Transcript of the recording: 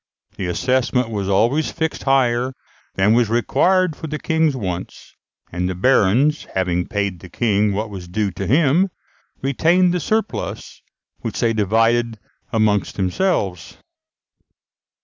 The assessment was always fixed higher than was required for the King's wants, and the barons, having paid the King what was due to him, retained the surplus, which they divided amongst themselves.